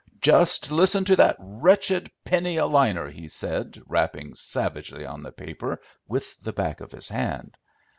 "Just listen to that wretched penny a liner," he said, rapping savagely on the paper with the back of his hand.